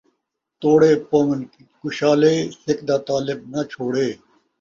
توݨے پوون کشالے، سک دا طالب ناں چھوڑے